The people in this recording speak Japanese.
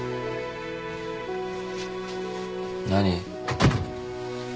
何？